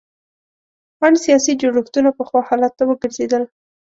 ان سیاسي جوړښتونه پخوا حالت ته وګرځېدل.